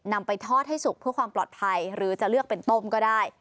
นำไปทอดให้สุกเพื่อความปลอดภัยหรือจะเลือกเป็นต้มก็ได้